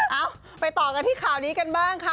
เอาไปต่อกันที่ข่าวนี้กันบ้างค่ะ